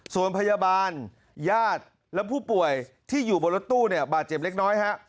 ส่วนพยาบาลญาติและผู้ป่วยที่อยู่บนรถตู้เนี่ยบาดเจ็บเล็กน้อยฮะ